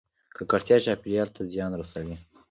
ککړتیا چاپیریال ته زیان رسوي